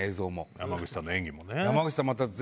山口さんの演技もね。